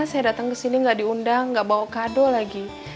saya datang ke sini nggak diundang nggak bawa kado lagi